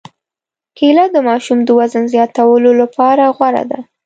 کېله د ماشوم د وزن زیاتولو لپاره غوره ده.